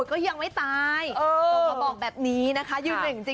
ก็ยังไม่ตาย